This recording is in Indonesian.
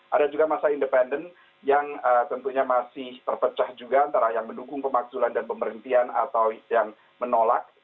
ada juga masa independen yang tentunya masih terpecah juga antara yang mendukung pemakzulan dan pemberhentian atau yang menolak